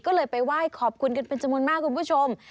ก็เลยไปไหว้ขอบคุณกันเป็นจำนวนมากคุณผู้ชม